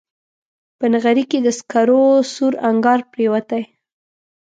په نغري کې د سکرو سور انګار پرېوتی